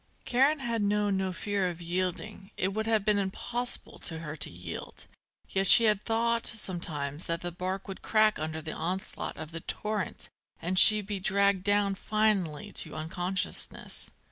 Karen had known no fear of yielding, it would have been impossible to her to yield; yet she had thought sometimes that the bark would crack under the onslaught of the torrent and she be dragged down finally to unconsciousness.